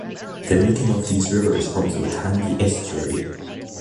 The meeting of these rivers forms the Waitangi Estuary.